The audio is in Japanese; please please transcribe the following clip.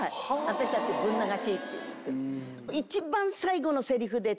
私たちぶん流しっていうんですけど。